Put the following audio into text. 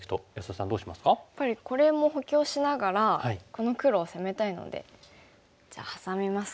やっぱりこれも補強しながらこの黒を攻めたいのでじゃあハサみますか。